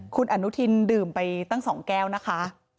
คุณอนุทินดื่มไปตั้ง๒แก้วนะคะ